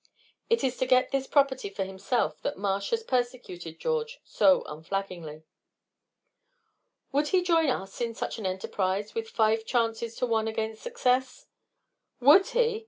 It is to get this property for himself that Marsh has persecuted George so unflaggingly." "Would he join us in such an enterprise, with five chances to one against success?" "Would he!"